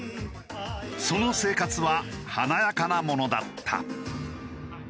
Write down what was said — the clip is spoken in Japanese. その生活は華やかなものだった。